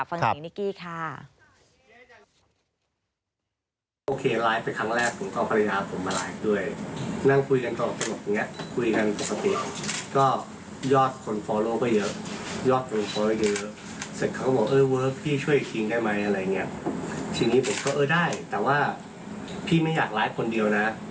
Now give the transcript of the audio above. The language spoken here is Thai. ฟังให้นิกกี้ค่ะ